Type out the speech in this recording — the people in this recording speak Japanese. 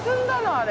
あれ。